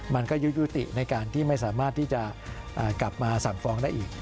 มันก็ยุติในการที่ไม่สามารถที่จะกลับมาสั่งฟ้องได้อีก